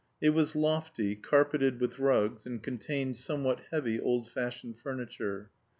It was lofty, carpeted with rugs, and contained somewhat heavy old fashioned furniture.